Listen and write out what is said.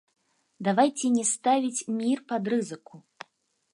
Давайце не ставіць мір пад рызыку.